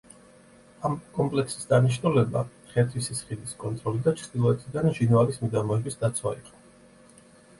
ამ კომპლექსის დანიშნულება ხერთვისის ხიდის კონტროლი და ჩრდილოეთიდან ჟინვალის მიდამოების დაცვა იყო.